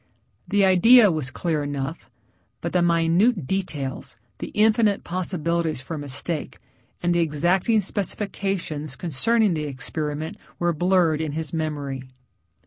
The idea was clear enough, but the minute details, the infinite possibilities for mistake, and the exacting specifications concerning the experiment were blurred in his memory.